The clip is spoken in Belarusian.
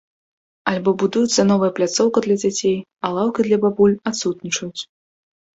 Альбо будуецца новая пляцоўка для дзяцей, а лаўкі для бабуль адсутнічаюць.